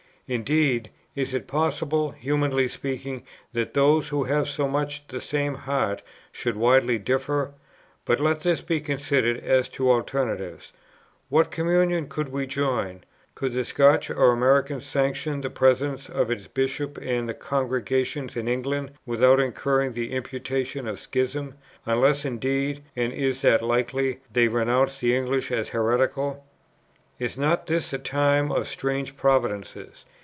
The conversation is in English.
Indeed, is it possible (humanly speaking) that those, who have so much the same heart, should widely differ? But let this be considered, as to alternatives. What communion could we join? Could the Scotch or American sanction the presence of its Bishops and congregations in England, without incurring the imputation of schism, unless indeed (and is that likely?) they denounced the English as heretical? "Is not this a time of strange providences?